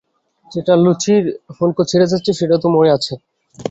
যেটা লুচির ফুলকো ছিঁড়ে খাচ্ছে, সেটা তো মরে আছে।